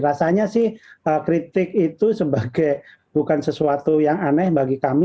rasanya sih kritik itu sebagai bukan sesuatu yang aneh bagi kami